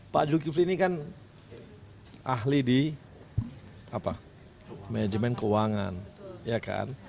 pak zulkifli ini kan ahli di manajemen keuangan